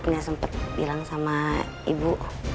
nggak sempat bilang sama ibu